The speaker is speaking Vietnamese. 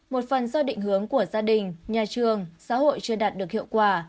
một phần do định hướng của gia đình nhà trường xã hội chưa đạt được hiệu quả